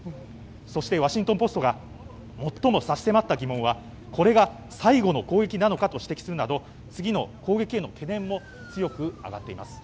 そして、ワシントン・ポストが最も差し迫った疑問がこれが最後の攻撃なのかと指摘するなど次の攻撃への懸念も強く上がっています。